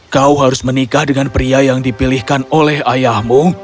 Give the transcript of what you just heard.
kau harus menikah dengan pria yang dipilihkan oleh ayahmu